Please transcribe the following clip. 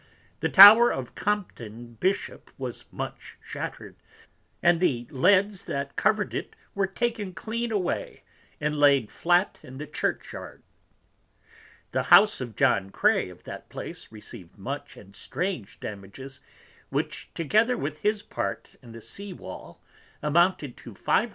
The Tower of Compton Bishop was much shatter'd, and the Leads that cover'd it were taken clean away, and laid flat in the Church Yard: The House of John Cray of that place, received much and strange Damages, which together with his part in the Sea wall, amounted to 500 _l.